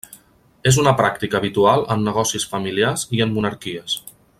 És una pràctica habitual en negocis familiars i en monarquies.